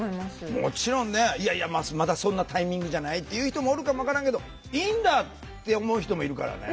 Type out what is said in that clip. もちろんねいやいやまだそんなタイミングじゃないっていう人もおるかも分からんけどいいんだって思う人もいるからね。